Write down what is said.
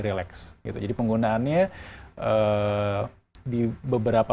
relax gitu jadi penggunaannya di beberapa